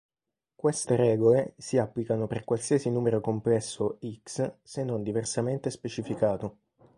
Queste regole si applicano per qualsiasi numero complesso "x", se non diversamente specificato.